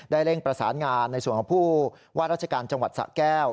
เร่งประสานงานในส่วนของผู้ว่าราชการจังหวัดสะแก้ว